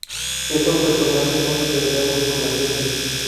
Estos personajes son inventados por la gente.